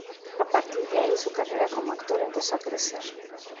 A partir de ahí su carrera como actor empezó a crecer.